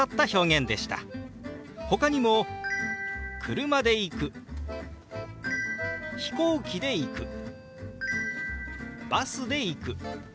ほかにも「車で行く」「飛行機で行く」「バスで行く」。